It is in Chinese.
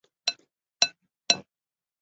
公园大部分地区与水相邻。